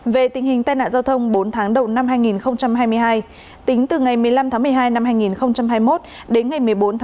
về tình hình tai nạn giao thông bốn tháng đầu năm hai nghìn hai mươi hai tính từ ngày một mươi năm tháng một mươi hai năm hai nghìn hai mươi một đến ngày một mươi bốn tháng năm